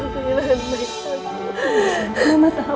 aku kehilangan baik aku